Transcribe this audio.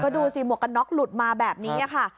ดูสิหมวกกันน็อกหลุดมาแบบนี้ค่ะ